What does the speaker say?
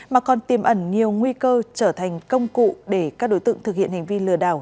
mà còn tiêm ẩn nhiều nguy cơ trở thành công cụ để các đối tượng thực hiện hành vi lừa đảo